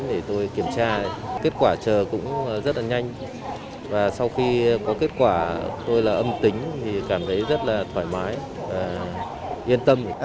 để tôi kiểm tra kết quả chờ cũng rất là nhanh và sau khi có kết quả tôi là âm tính thì cảm thấy rất là thoải mái và yên tâm